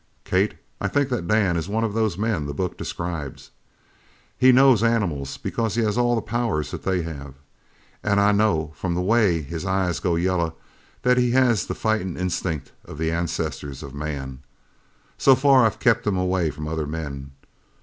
Kate, I think that Dan is one of those men the book described! He knows animals because he has all the powers that they have. An' I know from the way his eyes go yellow that he has the fightin' instinct of the ancestors of man. So far I've kept him away from other men.